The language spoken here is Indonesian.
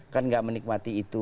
kan enggak menikmati itu